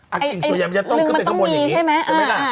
มันจะต้องขึ้นไปข้างบนอย่างนี้